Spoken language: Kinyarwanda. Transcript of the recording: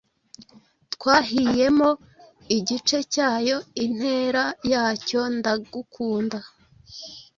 Twahiemo igice cyayo intera yacyo“Ndagukunda